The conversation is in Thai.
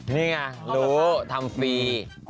นี่ไงรู้ทำฟรี